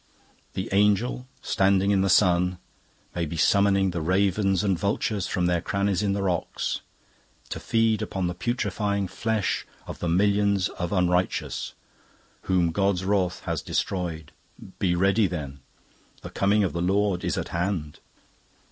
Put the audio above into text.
The angel standing in the sun may be summoning the ravens and vultures from their crannies in the rocks to feed upon the putrefying flesh of the millions of unrighteous whom God's wrath has destroyed. Be ready, then; the coming of the Lord is at hand.